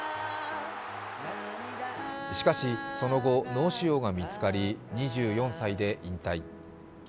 しかし、その後、脳腫瘍が見つかり２４歳で引退。